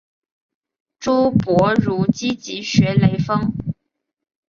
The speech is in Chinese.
朱伯儒积极学雷锋。